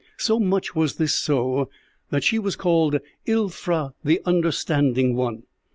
So much was this so, that she was called 'Ilfra the Understanding One.'